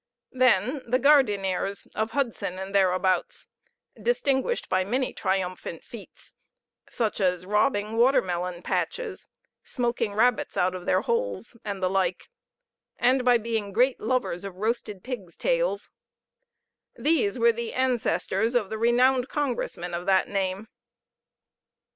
Then the Gardeniers, of Hudson and thereabouts, distinguished by many triumphant feats: such as robbing water melon patches, smoking rabbits out of their holes, and the like, and by being great lovers of roasted pigs' tails; these were the ancestors of the renowned congressman of that name.